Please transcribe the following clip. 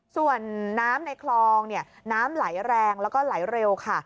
ส่วนน้ำในคลองน้ำไหลแรงแล้วก็ไหลเร็วค่ะ